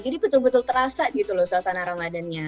jadi betul betul terasa gitu loh suasana ramadannya